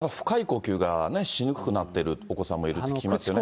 なかなか深い呼吸がしにくくなってるお子さんもいるって聞きますよね。